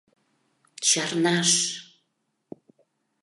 — Чарнаш!